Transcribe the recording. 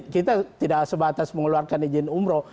kita tidak sebatas mengeluarkan izin umroh